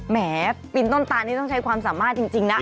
แหมปีนต้นตานนี่ต้องใช้ความสามารถจริงนะ